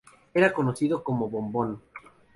Era conocido como "Boom-Boom".